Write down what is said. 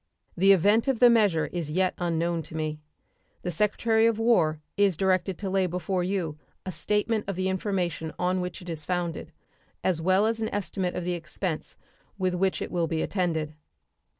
The event of the measure is yet unknown to me. The Secretary of War is directed to lay before you a statement of the information on which it is founded, as well as an estimate of the expense with which it will be attended.